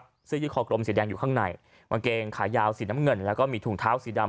เสื้อยี่คอกลมสีแดงอยู่ข้างในกางเกงขายาวสีน้ำเงินแล้วก็มีถุงเท้าสีดำ